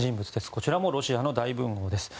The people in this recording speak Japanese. こちらもロシアの大文豪です。